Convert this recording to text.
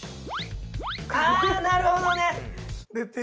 あなるほどね。